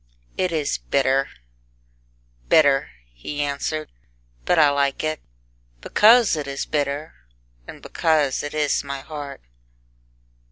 "It is bitter bitter," he answered; "But I like it Because it is bitter, And because it is my heart."